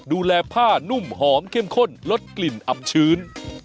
ดูแลผ้านุ่มหอมเข้มข้นลดกลิ่นอำชื้น